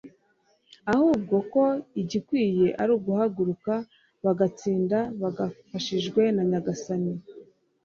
ahubwo ko igikwiye ari uguhaguruka, bagatsinda bafashijwe na nyagasani